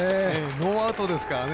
ノーアウトですからね。